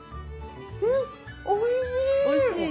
おいしい！